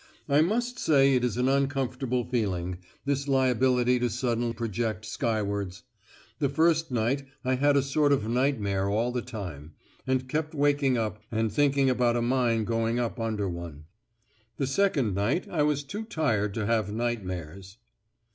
I must say it is an uncomfortable feeling, this liability to sudden projection skywards! The first night I had a sort of nightmare all the time, and kept waking up, and thinking about a mine going up under one. The second night I was too tired to have nightmares.